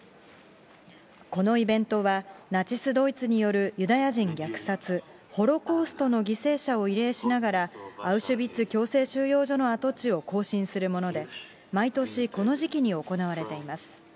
このイベントは、ナチス・ドイツによるユダヤ人虐殺・ホロコーストの犠牲者を慰霊しながら、アウシュビッツ強制収容所の跡地を行進するもので、毎年、この時期に行われています。